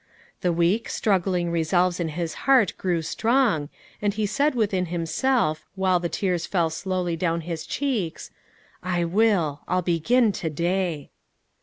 The weak, struggling resolves in his heart grew strong, and he said within himself, while the tears fell slowly down his cheeks, "I will; I'll begin to day."